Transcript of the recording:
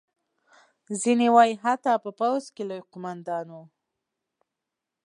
ځینې وایي حتی په پوځ کې لوی قوماندان وو.